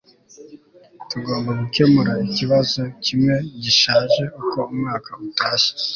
tugomba gukemura ikibazo kimwe gishaje uko umwaka utashye